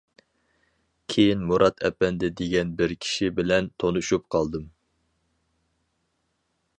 كېيىن مۇرات ئەپەندى دېگەن بىر كىشى بىلەن تونۇشۇپ قالدىم.